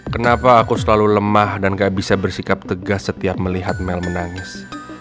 kenapa aku selalu lemah dan gak bisa bersikap tegas setiap melihat mel menangis